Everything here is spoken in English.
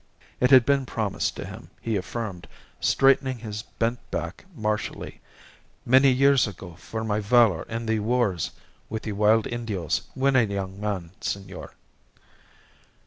It had been promised to him, he affirmed, straightening his bent back martially, "many years ago, for my valour in the wars with the wild Indios when a young man, senor."